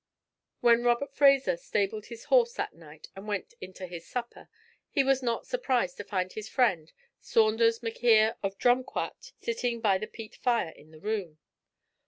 When Robert Fraser stabled his horses that night and went into his supper, he was not surprised to find his friend, Saunders M'Quhirr of Drumquhat, sitting by the peat fire in the 'room.'